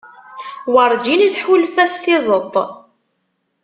Werǧin tḥulfa s tiẓeṭ.